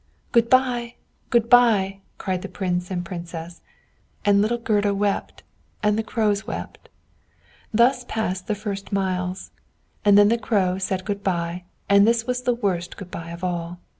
"Good by! good by!" cried Prince and Princess; and little Gerda wept, and the Crows wept. Thus passed the first miles; and then the Crow said good by, and this was the worst good by of all.